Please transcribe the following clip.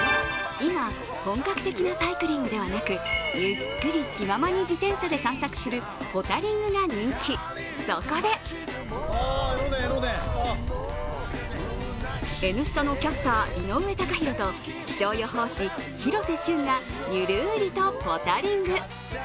今、本格的なサイクリングではなく、ゆっくり気ままに自転車で散策するポタリングが人気、そこで「Ｎスタ」のキャスター、井上貴博と気象予報士・広瀬駿がゆるりとポタリング。